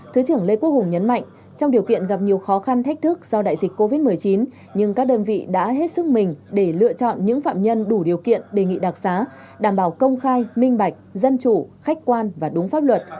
thứ trưởng lê quốc hùng nhấn mạnh trong điều kiện gặp nhiều khó khăn thách thức do đại dịch covid một mươi chín nhưng các đơn vị đã hết sức mình để lựa chọn những phạm nhân đủ điều kiện đề nghị đặc xá đảm bảo công khai minh bạch dân chủ khách quan và đúng pháp luật